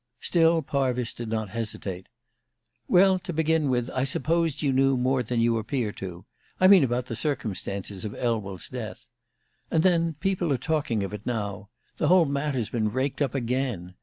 Still Parvis did not hesitate. "Well, to begin with, I supposed you knew more than you appear to I mean about the circumstances of Elwell's death. And then people are talking of it now; the whole matter's been raked up again.